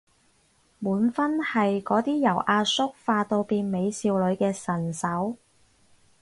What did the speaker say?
滿分係嗰啲由阿叔化到變美少女嘅神手